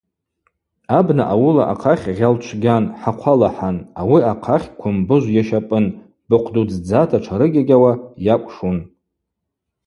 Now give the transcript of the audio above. Абна ауыла ахъахь гъьал чвгьан, хӏахъвалахӏан, ауи ахъахь Квымбыжв йащапӏын, быхъвдудздзата тшарыгьагьауа йакӏвшун.